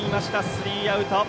スリーアウト。